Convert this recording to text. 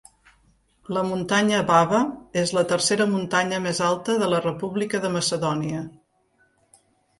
La muntanya Baba és la tercera muntanya més alta de la República de Macedònia.